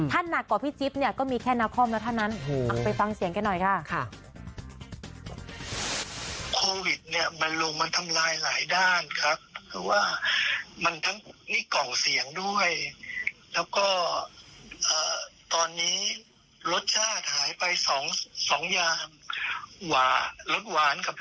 ถ้าหนักกว่าพี่จิ๊บเนี่ยก็มีแค่น้ำคอมแล้วเท่านั้น